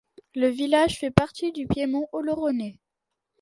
Le village fait partie du piémont oloronais.